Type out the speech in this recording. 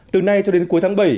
từ nay cho đến cuối tháng bảy